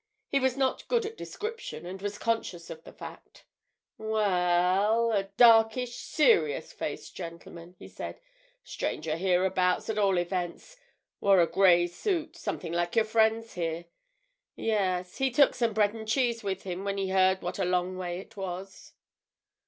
He was not good at description and was conscious of the fact. "Well, a darkish, serious faced gentleman," he said. "Stranger hereabouts, at all events. Wore a grey suit—something like your friend's there. Yes—he took some bread and cheese with him when he heard what a long way it was."